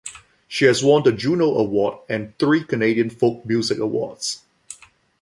She has won the Juno Award and three Canadian Folk Music Awards.